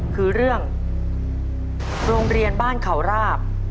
คือเรื่องโรงเรียนบ้านเขาราบ